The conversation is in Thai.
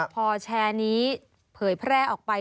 พอแชร์นี้เผยแพร่ออกไป